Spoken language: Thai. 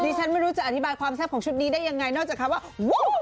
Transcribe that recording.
ฉันไม่รู้จะอธิบายความแซ่บของชุดนี้ได้ยังไงนอกจากคำว่าวูบ